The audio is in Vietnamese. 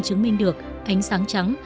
chứng minh được ánh sáng trắng